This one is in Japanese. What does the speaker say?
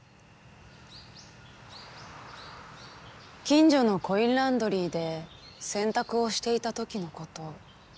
近所のコインランドリーで洗濯をしていた時のこと。